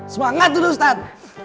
semangat dulu ustaz